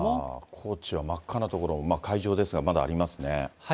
高知は真っ赤な所も、海上ですが、まだありますね。